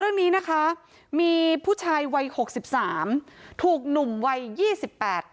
เรื่องนี้นะคะมีผู้ชายวัยหกสิบสามถูกหนุ่มวัยยี่สิบแปด